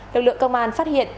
đội lượng công an phát hiện